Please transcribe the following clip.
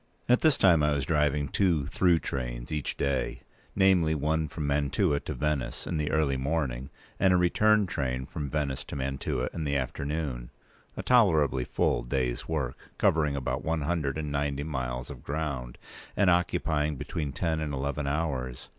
At this time I was driving two through trains each day; namely, one from Mantua to Venice in the early morning, and a return train from Venice to Mantua in the afternoon—a tolerably full day's work, covering about one hundred and ninety miles of ground, and occupying between ten and eleven hours.